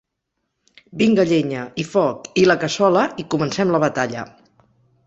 Vinga llenya, i foc, i la cassola i comencem la batalla